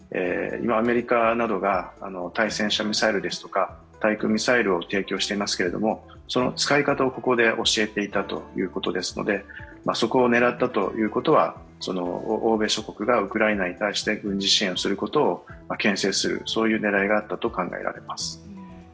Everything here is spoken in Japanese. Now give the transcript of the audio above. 今、アメリカなどが対戦車ミサイルですとか対空ミサイルを提供していますけれども、その使い方をここで教えていたということですので、そこを狙ったということは欧米諸国がウクライナに対して軍事支援をすることをけん制する狙いがあったと考えられます。